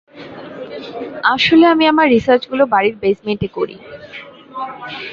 আসলে আমি আমার রিসার্সগুলো বাড়ির বেসমেন্টে করি।